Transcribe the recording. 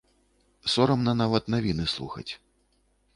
Сорамна нават навіны слухаць.